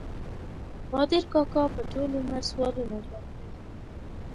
قادر کاکا په ټول عمر سوالونه ځواب کړي وو.